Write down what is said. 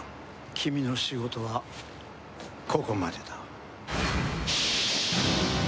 君の仕事はここまでだ。